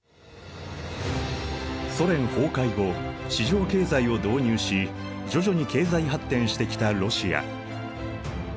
ソ連崩壊後市場経済を導入し徐々に経済発展してきたロシア。